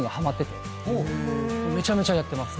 めちゃめちゃやってます。